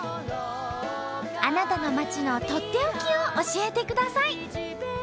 あなたの町のとっておきを教えてください。